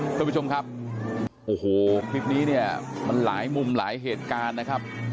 คุณผู้ชมครับโอ้โหคลิปนี้เนี่ยมันหลายมุมหลายเหตุการณ์นะครับ